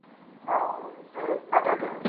کتابتون ته راشه!؟